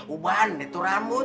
ubahannya tuh rambut